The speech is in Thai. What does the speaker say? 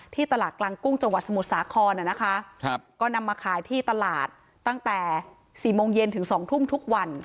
ตลาดกลางกุ้งจังหวัดสมุทรสาครนะคะก็นำมาขายที่ตลาดตั้งแต่๔โมงเย็นถึง๒ทุ่มทุกวัน